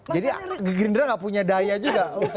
jadi greenress nggak punya daya juga untuk